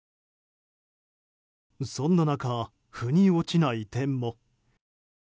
そんな中、腑に落ちない点も。